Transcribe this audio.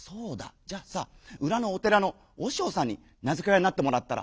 じゃあさうらのお寺のおしょうさんに名づけ親になってもらったら？」。